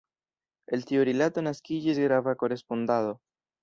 El tiu rilato naskiĝis grava korespondado.